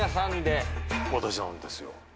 私なんですよ。